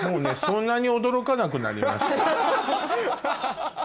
そんなに驚かなくなりました。